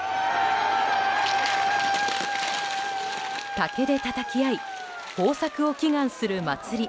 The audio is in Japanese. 竹でたたき合い豊作を祈願する祭り